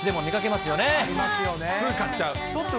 すぐ買っちゃう。